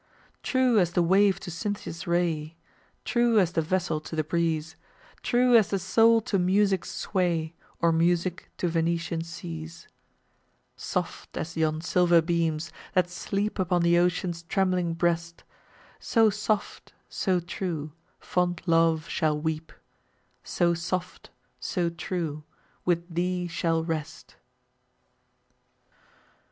True as the wave to Cynthia's ray, True as the vessel to the breeze, True as the soul to music's sway, Or music to Venetian seas: Soft as yon silver beams, that sleep Upon the ocean's trembling breast; So soft, so true, fond Love shall weep, So soft, so true, with thee shall rest.